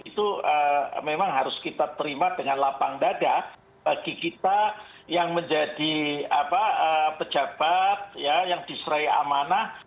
itu memang harus kita terima dengan lapang dada bagi kita yang menjadi pejabat yang diserai amanah